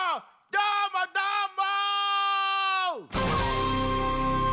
どーもどーも！